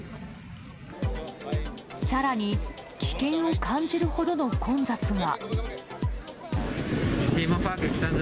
更に危険を感じるほどの混雑が。